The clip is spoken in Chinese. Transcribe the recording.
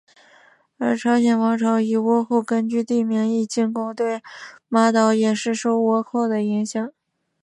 而朝鲜王朝以倭寇根据地名义进攻对马岛也是受到倭寇的影响。